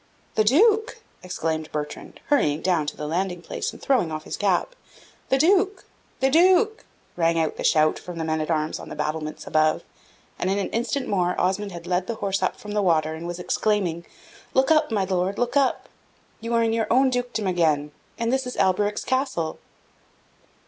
"The Duke!" exclaimed Bertrand, hurrying down to the landing place, and throwing off his cap. "The Duke! the Duke!" rang out the shout from the men at arms on the battlements above and in an instant more Osmond had led the horse up from the water, and was exclaiming, "Look up, my Lord, look up! You are in your own dukedom again, and this is Alberic's castle."